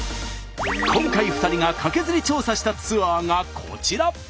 今回２人がカケズリ調査したツアーがこちら。